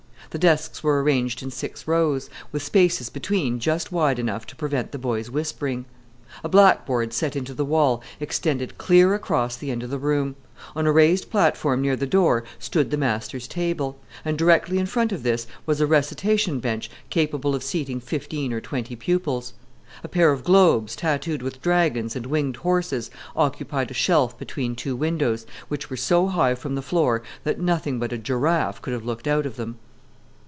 The desks were arranged in six rows, with spaces between just wide enough to prevent the boys' whispering. A blackboard set into the wall extended clear across the end of the room; on a raised platform near the door stood the master's table; and directly in front of this was a recitation bench capable of seating fifteen or twenty pupils. A pair of globes, tattooed with dragons and winged horses, occupied a shelf between two windows, which were so high from the floor that nothing but a giraffe could have looked out of them.